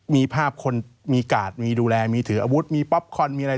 มีภาพคนมีกาดมีดูแลมีถืออาวุธมีป๊อปคอนมีอะไร